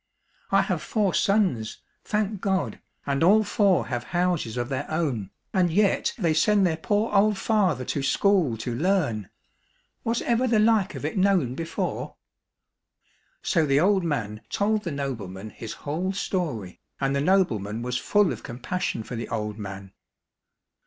I have four sons, thank God, and all four have houses of their 221 COSSACK FAIRY TALES own, and yet they send their poor old father to school to learn ! Was ever the like of it known before ?" So the old man told the nobleman his whole story, and the nobleman was full of compassion for the old man.